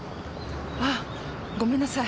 ああっごめんなさい。